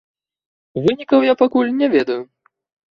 Вынікаў я пакуль не ведаю.